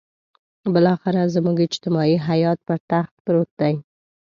بالاخره زموږ اجتماعي حيات پر تخت پروت دی.